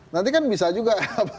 nanti kan bisa juga